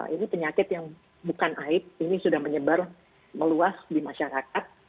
ini penyakit yang bukan aib ini sudah menyebar meluas di masyarakat